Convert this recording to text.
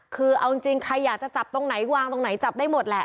คือเอาจริงใครอยากจะจับตรงไหนวางตรงไหนจับได้หมดแหละ